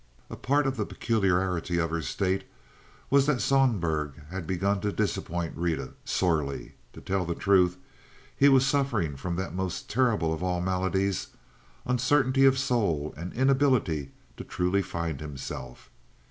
A part of the peculiarity of her state was that Sohlberg had begun to disappoint Rita—sorely. Truth to tell, he was suffering from that most terrible of all maladies, uncertainty of soul and inability to truly find himself.